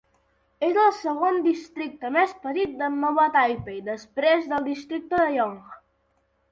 És el segon districte més petit de Nova Taipei després del districte Yonghe.